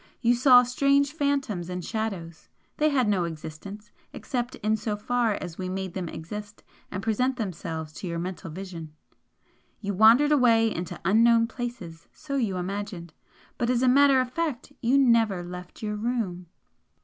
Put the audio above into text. You saw strange phantoms and shadows, they had no existence except in so far as we made them exist and present themselves to your mental vision. You wandered away into unknown places, so you imagined, but as a matter of fact you NEVER LEFT YOUR ROOM!"